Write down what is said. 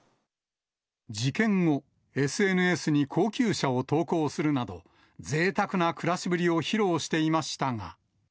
事件後、ＳＮＳに高級車を投稿するなど、ぜいたくな暮らしぶりを披露していましたが。